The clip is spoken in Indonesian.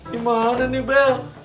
di mana nih bel